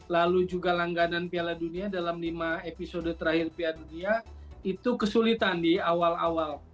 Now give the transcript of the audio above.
lalu juga langganan piala dunia dalam lima episode terakhir piala dunia itu kesulitan di awal awal